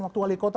waktu wali kota